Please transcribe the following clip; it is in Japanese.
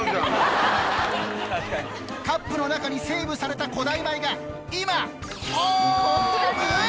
カップの中にセーブされた古代米が今ホームイン！